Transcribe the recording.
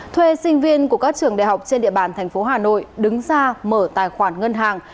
thuê sinh viên của các trường đại học trên địa bàn thành phố hà nội đứng ra mở tài khoản ngân hàng